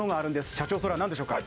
社長、それは何でしょうか？